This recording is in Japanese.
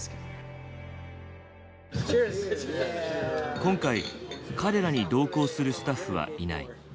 今回彼らに同行するスタッフはいない。